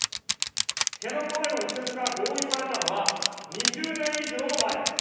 辺野古への移設が合意されたのは、２０年以上も前です。